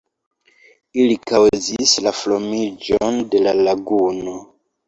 Ili kaŭzis la formiĝon de la laguno.